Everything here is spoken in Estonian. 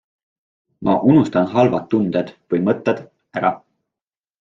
Ma unustan halvad tunded või mõtted ära.